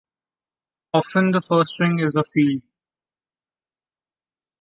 Often the first ring is a field.